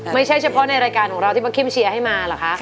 ไม่ใช่เฉพาะในรายการของเราที่ป้าคิมเชียร์ให้มาเหรอคะ